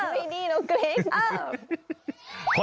เว้นดี้รับเกรง